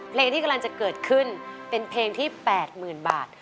เพลงที่กำลังจะเกิดขึ้นเป็นเพลงที่๘๐๐๐บาท